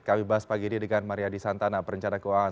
kami bahas pagi ini dengan mariadi santana perencana keuangan